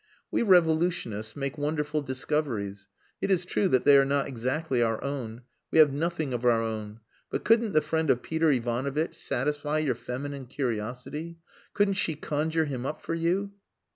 We revolutionists make wonderful discoveries. It is true that they are not exactly our own. We have nothing of our own. But couldn't the friend of Peter Ivanovitch satisfy your feminine curiosity? Couldn't she conjure him up for you?"